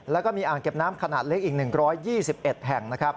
แล้วก็มีอ่างเก็บน้ำขนาดเล็กอีก๑๒๑แห่งนะครับ